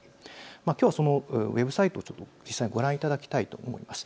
きょうはそのウェブサイトを実際にご覧いただきたいと思います。